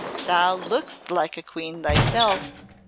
"Thou look'st like a Queen thyself.